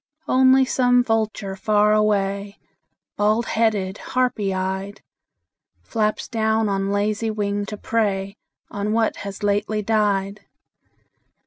Only some vulture far away, Bald headed, harpy eyed, Flaps down on lazy wing to prey On what has lately died.